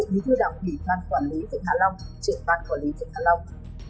như thưa đảng quỷ ban quản lý thế giới hạ long triển phát quản lý thế giới hạ long